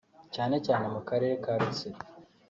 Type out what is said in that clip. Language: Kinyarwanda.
cyane cyane mu Karere ka Rutsiro